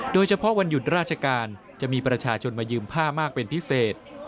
โดยเฉพาะวันหยุดราชการจะมีประชาชนมายืมผ้ามากเป็นพิเศษ